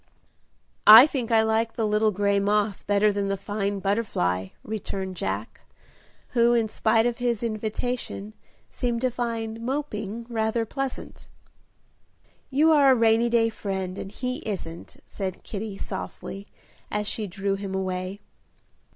"I think I like the little gray moth better than the fine butterfly," returned Jack, who, in spite of his invitation, seemed to find "moping" rather pleasant. "You are a rainy day friend, and he isn't," said Kitty, softly, as she drew him away.